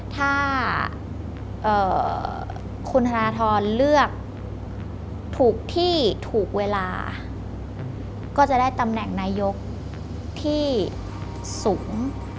ถ้าคุณธนทรเลือกถูกที่ถูกเวลาก็จะได้ตำแหน่งนายกที่สูง